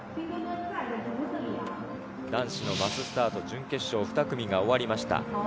男子のマススタート準決勝、２組が終わりました。